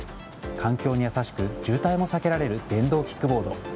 環境に優しく渋滞も避けられる電動キックボード。